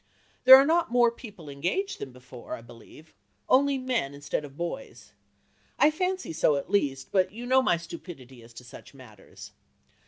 There are not more people engaged than before, I believe; only men instead of boys. I fancy so at least, but you know my stupidity as to such matters.